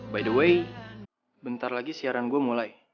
by the way bentar lagi siaran gue mulai